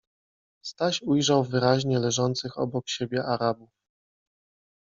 Staś ujrzał wyraźnie leżących obok siebie Arabów.